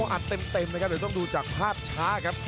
อัดเต็มนะครับเดี๋ยวต้องดูจากภาพช้าครับ